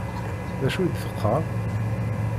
D acu i d-teqqaṛ?